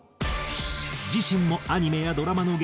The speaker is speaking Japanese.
自身もアニメやドラマの劇